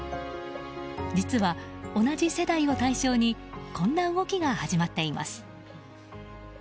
実は同じ世代を対象にこんな動きが始まっています。